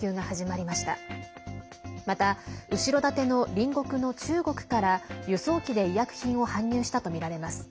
また、後ろ盾の隣国の中国から輸送機で医薬品を搬入したとみられます。